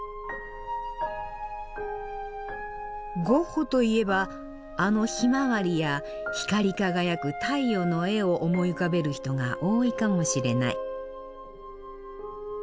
ゴッホといえばあの「ひまわり」や光り輝く太陽の絵を思い浮かべる人が多いかもしれない。